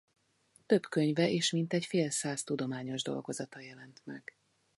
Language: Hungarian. Több könyve és mintegy félszáz tudományos dolgozata jelent meg.